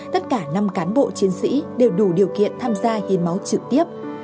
tất cả năm cán bộ chiến sĩ đều đủ điều kiện tham gia hiến máu trực tiếp